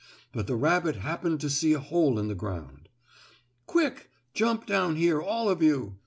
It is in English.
But the rabbit happened to see a hole in the ground. "Quick! Jump down here all of you!"